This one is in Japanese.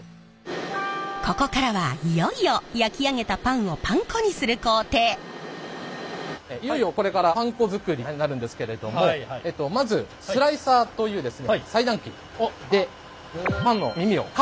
ここからはいよいよ焼き上げたパンをいよいよこれからパン粉作りになるんですけれどもまずスライサーという裁断機でパンの耳をカットしていきます。